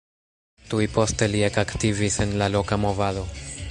Tuj poste li ekaktivis en la loka movado.